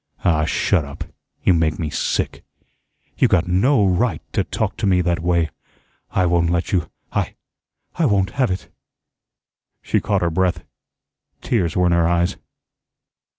"Ah, shut up; you make me sick." "You got no RIGHT to talk to me that way. I won't let you. I I won't have it." She caught her breath. Tears were in her eyes.